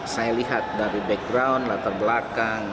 saya lihat dari background latar belakang